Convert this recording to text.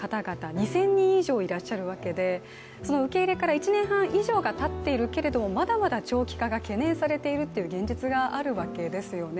２０００人以上いらっしゃるわけで、その受け入れから１年半以上たっているけれども、まだまだ長期化が懸念されているという現実があるわけですよね。